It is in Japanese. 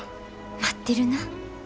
待ってるな。